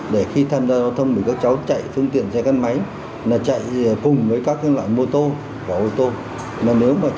nếu có xin hãy quan tâm và chú ý đến các em nhiều hơn